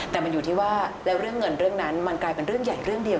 แต่มันอยู่ที่ว่าแล้วเรื่องเงินเรื่องนั้นมันกลายเป็นเรื่องใหญ่เรื่องเดียว